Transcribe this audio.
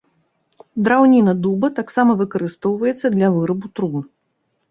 Драўніна дуба таксама выкарыстоўваецца для вырабу трун.